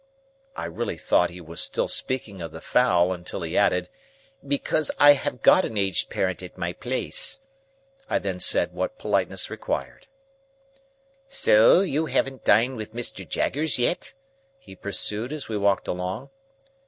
I really thought he was still speaking of the fowl, until he added, "Because I have got an aged parent at my place." I then said what politeness required. "So, you haven't dined with Mr. Jaggers yet?" he pursued, as we walked along.